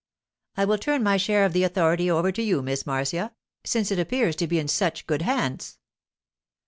'I will turn my share of the authority over to you, Miss Marcia, since it appears to be in such good hands.